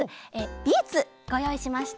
ビーツごよういしました。